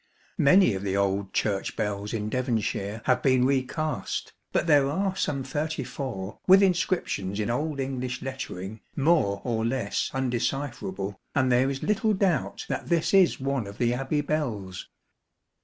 s THE MOHUN GATKHOUSE. WEST FRONT AND KING'S DRIVE. \ Man} 7 of the old Church bells in Devonshire have been recast, but there are some thirty four with inscriptions in Old English lettering more or less undecipherable, and there is little doubt that this is one of the Abbey bells.